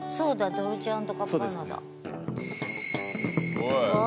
“ドルチェ＆ガッバーナ”だ」